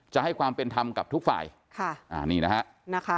จะให้ความเป็นธรรมกับทุกฝ่ายค่ะอ่านี่นะฮะ